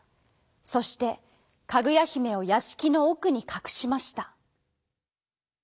そしてかぐやひめをやしきのおくにかくしました。